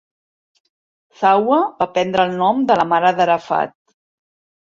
Zahwa va prendre el nom de la mare d'Arafat.